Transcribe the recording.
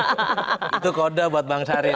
itu kode buat bang syarif